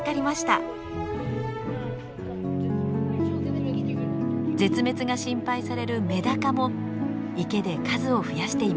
絶滅が心配されるメダカも池で数を増やしています。